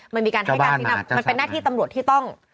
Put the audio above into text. มันมีการให้การชี้นำมันเป็นหน้าที่ตำรวจที่ต้อง